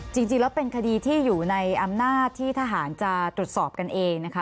จริงแล้วเป็นคดีที่อยู่ในอำนาจที่ทหารจะตรวจสอบกันเองนะคะ